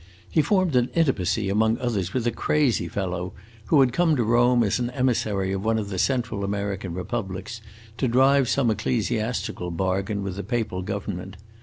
He formed an intimacy, among others, with a crazy fellow who had come to Rome as an emissary of one of the Central American republics, to drive some ecclesiastical bargain with the papal government.